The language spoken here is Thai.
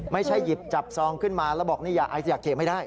ไม่ใช่หยิบจับซองขึ้นมาแล้วบอกอยากเขียนให้ได้